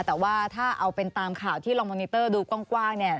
แต่ว่าถ้าเอาเป็นตามข่าวที่ลองมอนิเตอร์ดูกว้างเนี่ย